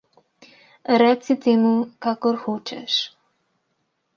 Reci temu kakor hočeš.